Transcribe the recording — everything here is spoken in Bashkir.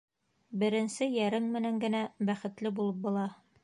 Беренсе йәрең менән генә бәхетле булып була.